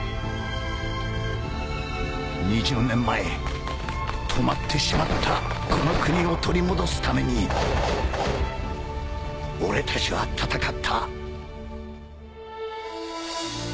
２０年前止まってしまったこの国を取り戻すために俺たちは戦った。